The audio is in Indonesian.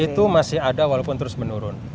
itu masih ada walaupun terus menurun